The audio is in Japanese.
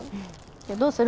でどうする？